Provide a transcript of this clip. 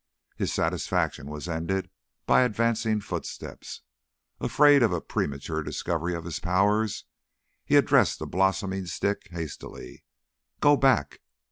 His satisfaction was ended by advancing footsteps. Afraid of a premature discovery of his powers, he addressed the blossoming stick hastily: "Go back."